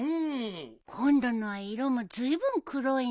今度のは色もずいぶん黒いね。